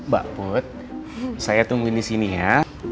mbak put saya tungguin di sini ya